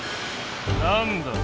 何だ？